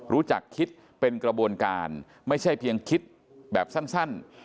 รู้จักคิดเป็นกระบวนการไม่ใช่เพียงคิดแบบสั้น